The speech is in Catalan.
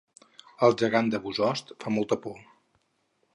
El gegant de Bossòst fa molta por